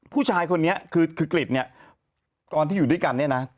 ผู้ชายคนนี้คือกริจเนี่ยตอนที่อยู่ด้วยกันเนี่ยนะ